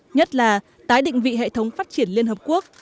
nhất là tái định vị hệ thống phát triển liên hợp quốc